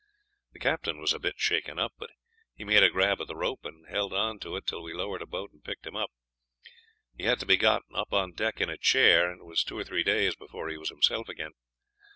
The captain was a bit shaken up, but he made a grab at the rope, and held on to it till we lowered a boat and picked him up. He had to be got up on deck in a chair, and it was two or three days before he was himself again.